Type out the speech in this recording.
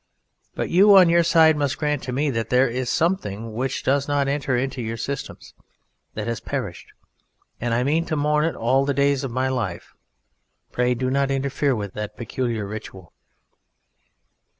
But you, on your side, must grant me that there is Something which does not enter into your systems. That has perished, and I mean to mourn it all the days of my life. Pray do not interfere with that peculiar ritual."